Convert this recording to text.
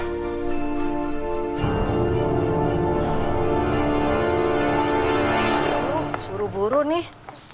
oh buru buru nih